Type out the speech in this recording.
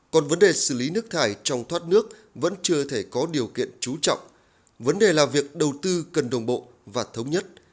còn vấn đề xử lý nước thải trong thoát nước vẫn chưa thể có điều kiện trú trọng vấn đề là việc đầu tư cần đồng bộ và thống nhất